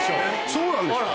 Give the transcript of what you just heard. そうなんですよ。